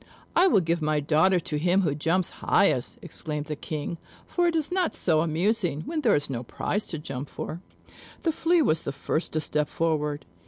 "I will give my daughter to him who jumps highest," exclaimed the King; "for it is not so amusing where there is no prize to jump for." The Flea was the first to step forward.